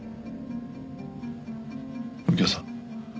右京さん